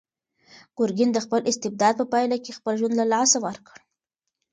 ګورګین د خپل استبداد په پایله کې خپل ژوند له لاسه ورکړ.